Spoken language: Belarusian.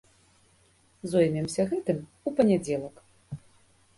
Зоймемся гэтым у панядзелак.